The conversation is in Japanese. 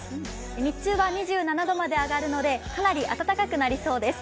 日中は２７度まで上がるのでかなり暖かくなりそうです。